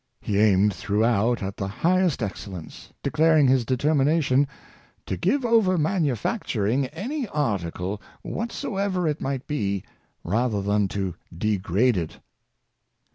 He aimed throughout at the highest excellence, declaring his determination ^^ to give over manufacturing any article, whatsoever it might be, rather than to degrade it."